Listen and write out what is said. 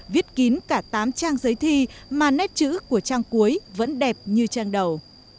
viết kín cả tám trang giấy thi mà nét chữ của trang cuối vẫn đẹp như trang đầu